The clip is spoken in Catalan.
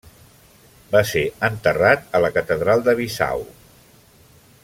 Va ser enterrat a la catedral de Bissau.